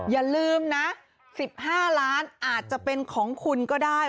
อย่าลืมนะ๑๕ล้านอาจจะเป็นของคุณก็ได้